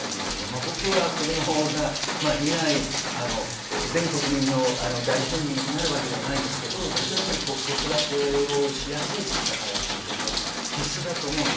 僕は子供がいない全国民の代表になるわけではないんですけれど、私は子育てしやすい社会を作ることは必須だと思います。